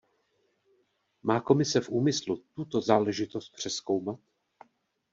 Má Komise v úmyslu tuto záležitost přezkoumat?